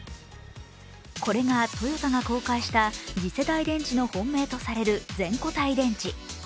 これがトヨタが公開した次世代電池の本命とされる全固体電池。